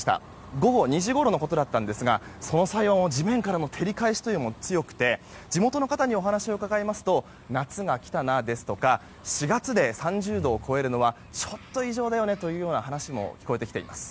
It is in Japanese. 午後２時ごろのことだったんですが、その際は地面からの照り返しというのも強くて地元の方にお話を伺いますと夏が来たなですとか４月で３０度を超えるのはちょっと異常だよねという話も聞こえてきています。